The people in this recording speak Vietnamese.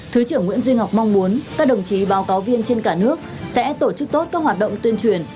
thứ trưởng nguyễn duy ngọc mong muốn các đồng chí báo cáo viên trên cả nước sẽ tổ chức tốt các hoạt động tuyên truyền